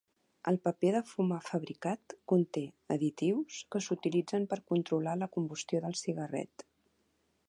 El paper de fumar fabricat conté additius que s'utilitzen per controlar la combustió del cigarret.